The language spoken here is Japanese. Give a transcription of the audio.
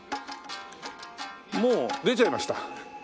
もう出ちゃいました。